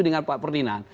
dengan pak perninan